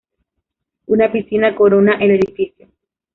Una piscina corona el edificio.